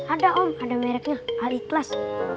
ada om ada mereknya al ikhlas